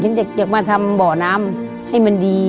อยากมาทำบ่อน้ำให้มันดี